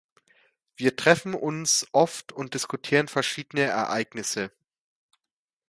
Wir treffen uns oft und diskutieren verschiedene Ereignisse.